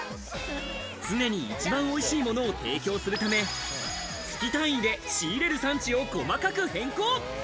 常に一番美味しいものを提供するため月単位で仕入れる産地を細かく変更。